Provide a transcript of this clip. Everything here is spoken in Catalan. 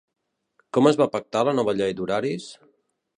Com es va pactar la nova llei d'horaris?